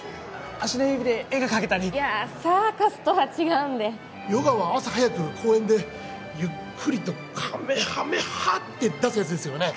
足の指で絵が描けたりいやサーカスとは違うんでヨガは朝早く公園でゆっくりとかめはめ波！って出すやつですよね？